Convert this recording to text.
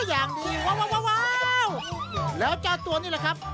อย่างดีว้าวแล้วเจ้าตัวนี่แหละครับ